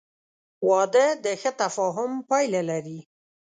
• واده د ښه تفاهم پایله لري.